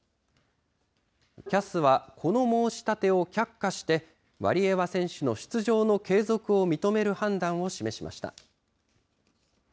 ＣＡＳは、この申し立てを却下して、ワリエワ選手の出場の継続を認める判断を示しました。